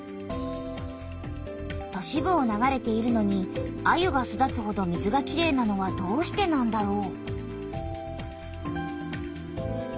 都市部を流れているのにアユが育つほど水がきれいなのはどうしてなんだろう？